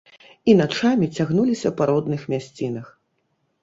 І начамі цягнуліся па родных мясцінах.